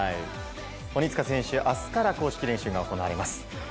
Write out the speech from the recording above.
鬼塚選手、明日から公式練習が行われます。